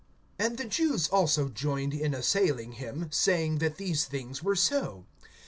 (9)And the Jews also joined in assailing him, saying that these things were so.